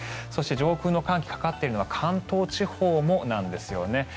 そして上空の寒気がかかっているのが関東地方もなんですね。